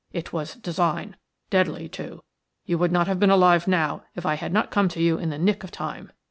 "It was design. Deadly, too. You would not have been alive now if I had not come to you in the nick of time.